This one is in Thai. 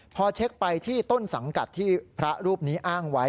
พอเช็คไปที่ต้นสังกัดที่พระรูปนี้อ้างไว้